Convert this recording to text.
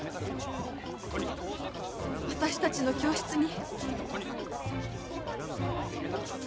私たちの教室に。